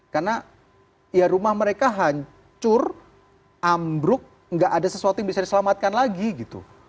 karena ya rumah mereka hancur ambruk gak ada sesuatu yang bisa diselamatkan lagi gitu